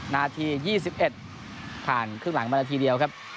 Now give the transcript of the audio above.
นาที๒๑ผ่านครึ่งหลังมานาทีเดียวครับ